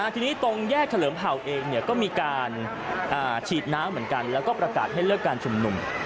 ทีนี้ตรงแยกเฉลิมเผ่าเองก็มีการฉีดน้ำเหมือนกันแล้วก็ประกาศให้เลิกการชุมนุม